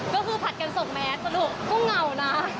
ได้ก็คือผัดกันสองแมทเพราะหนูก็เหงานะ